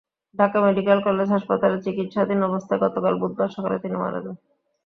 Dhaka medical college হাসপাতালে চিকিৎসাধীন অবস্থায় গতকাল বুধবার সকালে তিনি মারা যান।